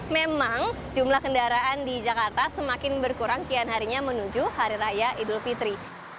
memang jumlah kendaraan di jakarta semakin berkurang kian harinya menuju hari raya idul fitri